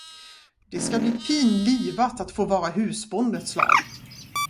Det ska bli pin livat att få vara husbond ett slag.